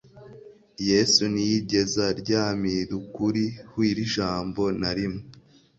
Yesu ntiyigezaryamirukuri hw ijambo na rimwe